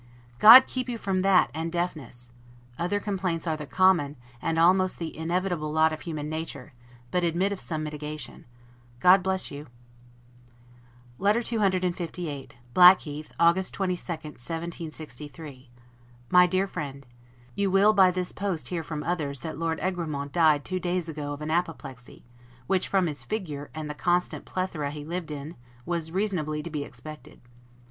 God keep you from that and deafness! Other complaints are the common, and almost the inevitable lot of human nature, but admit of some mitigation. God bless you! LETTER CCLVIII BLACKHEATH, August 22, 1763 MY DEAR FRIEND: You will, by this post, hear from others that Lord Egremont died two days ago of an apoplexy; which, from his figure, and the constant plethora he lived in, was reasonably to be expected.